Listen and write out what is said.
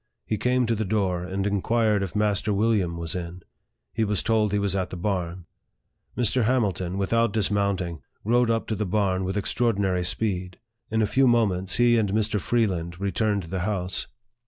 He came to the door, and inquired if Master William was in. He was told he was at the barn. Mr. Hamilton, with out dismounting, rode up to the barn with extraor LIFE OF FREDERICK DOUGLASS. 89 dinary speed. In a few moments, he and Mr. Free land returned to the house.